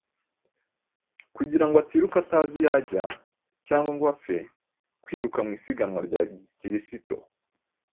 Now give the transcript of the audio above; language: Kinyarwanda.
kugira ngo atiruka atazi iyo ajya cyangwa ngo apfe kwiruka mu isiganwa rya gikiristo,